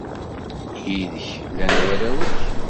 Yid-k i llan warraw-ik?